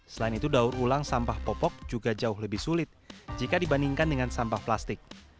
selain itu daur ulang sampah popok juga jauh lebih sulit jika dibandingkan dengan sampah plastik